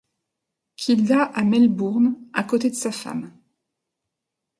Kilda à Melbourne à côté de sa femme.